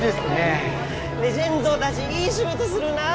レジェンドだぢいい仕事するなあ！